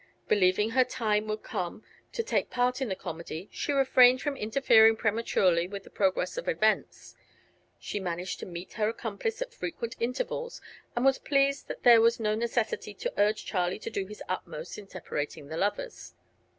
Believing her time would come to take part in the comedy she refrained from interfering prematurely with the progress of events. She managed to meet her accomplice at frequent intervals and was pleased that there was no necessity to urge Charlie to do his utmost in separating the lovers.